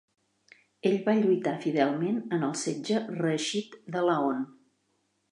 Ell va lluitar fidelment en el setge reeixit de Laon.